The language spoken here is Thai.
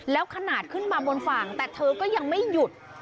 แล้วขนาดขึ้นมาบนฝั่งแต่เธอก็ยังไม่หยุด